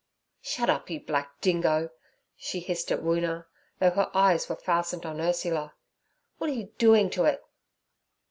'Shut up, you black dingo!' she hissed at Woona, though her eyes were fastened on Ursula. 'Wot are you doin' to it?'